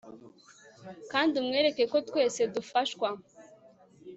kandi umwereke ko twese dufashwa